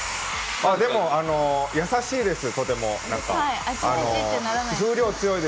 でも優しいです、すごい。